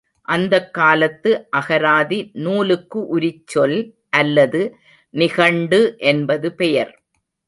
அந்தக் காலத்து அகராதி நூலுக்கு உரிச்சொல் அல்லது நிகண்டு என்பது பெயர்.